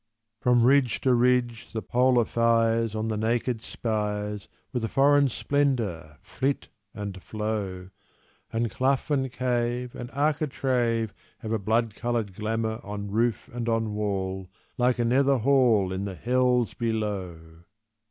From ridge to ridge The polar fires On the naked spires, With a foreign splendour, flit and flow; And clough and cave And architrave Have a blood coloured glamour on roof and on wall, Like a nether hall In the hells below!